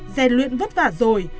gieo luyện vất vả rồi